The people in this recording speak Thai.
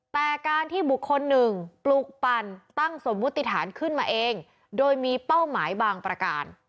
แต่การที่บุคคลหนึ่งปลูกปั่นตั้งสมมุติฐานขึ้นมาเองโดยมีเป้าหมายบางประการ